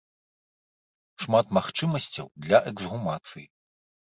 Шмат магчымасцяў для эксгумацыі.